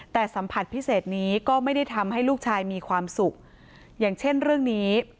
แต่สัมผัสพิเศษนี้ก็ไม่ได้ทำให้ลูกชายมีความสุขอย่างเช่นเรื่องนี้